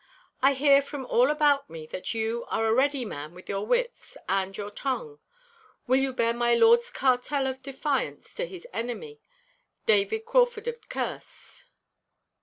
I hear from all about me that you are a ready man with your wits and your tongue. Will you bear my lord's cartel of defiance to his enemy, David Crauford of Kerse?